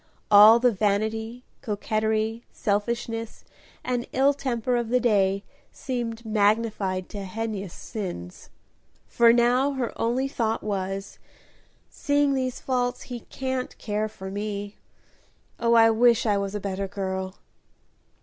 All the vanity, coquetry, selfishness, and ill temper of the day seemed magnified to heinous sins, for now her only thought was, "seeing these faults, he can't care for me. Oh, I wish I was a better girl!"